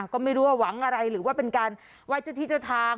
ก็ไม่รู้ว่าหวังอะไรหรือว่าเป็นการไหว้เจ้าที่เจ้าทาง